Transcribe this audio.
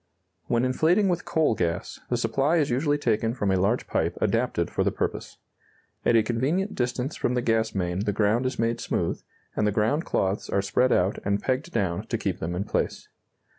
When inflating with coal gas, the supply is usually taken from a large pipe adapted for the purpose. At a convenient distance from the gas main the ground is made smooth, and the ground cloths are spread out and pegged down to keep them in place.